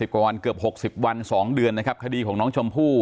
กว่าวันเกือบ๖๐วัน๒เดือนนะครับคดีของน้องชมพู่